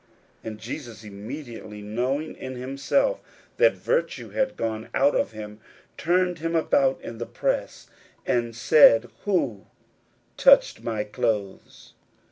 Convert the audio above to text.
41:005:030 And Jesus, immediately knowing in himself that virtue had gone out of him, turned him about in the press, and said, Who touched my clothes?